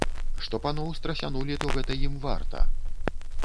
Што паноў страсянулі, то гэта ім варта.